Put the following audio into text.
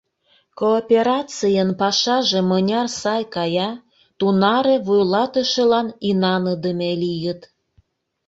Кооперацийын пашаже мыняр сай кая, тунаре вуйлатышылан инаныдыме лийыт.